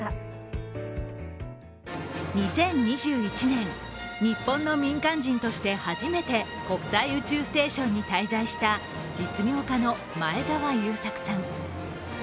２０２１年日本の民間人として初めて国際宇宙ステーションに滞在した実業家の前澤友作さん。